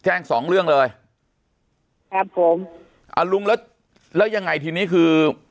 สองเรื่องเลยครับผมอ่าลุงแล้วแล้วยังไงทีนี้คือ